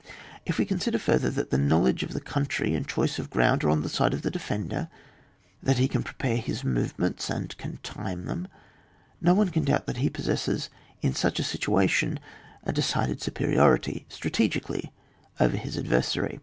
If we consider, further, that the knowledge of the country and choice of ground are on the side of the defender, that he can prepare his movements, and can time them, no one can doubt that he possesses in such a situation a decided superiority, strategically, over his ad versary.